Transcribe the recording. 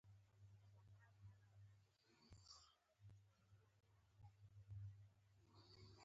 موږ کولای شو دا موضوع د پوهېدو وړ کړو.